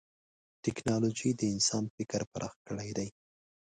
ټکنالوجي د انسان فکر پراخ کړی دی.